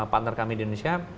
partner kami di indonesia